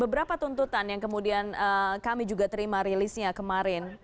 beberapa tuntutan yang kemudian kami juga terima rilisnya kemarin